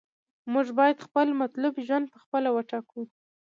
موږ باید خپل مطلوب ژوند په خپله وټاکو.